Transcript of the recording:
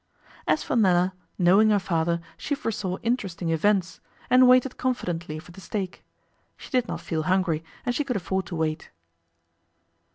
As for Nella, knowing her father, she foresaw interesting events, and waited confidently for the steak. She did not feel hungry, and she could afford to wait.